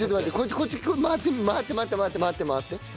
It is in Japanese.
こっち回って回って回って回って回って。